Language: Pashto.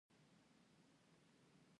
باسواده نجونې د خپل برخلیک واک لري.